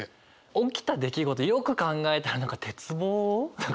起きた出来事よく考えたら何か鉄棒を。